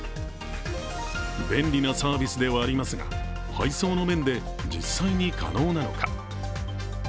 便利なサービスではありますが、配送の面で実際に可能なのか。